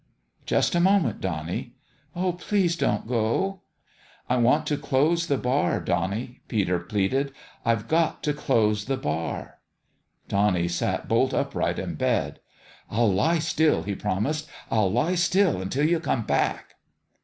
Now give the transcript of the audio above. " Just a moment, Donnie !" 11 Please don't go 1 "" I want to close the bar, Donnie," Peter pleaded. " I've got to close the bar !" Donnie sat bolt upright in bed. " I'll lie still," he promised. "I'll lie still until you come back."